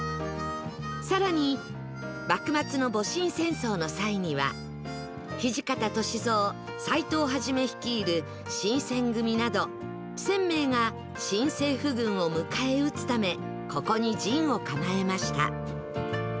更に幕末の戊辰戦争の際には土方歳三斎藤一率いる新撰組など１０００名が新政府軍を迎え撃つためここに陣を構えました